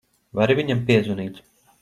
Vari viņam piezvanīt?